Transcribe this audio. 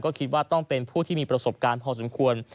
ก็คิดว่าต้องเป็นผู้ที่มีประสบการณ์พอสมควร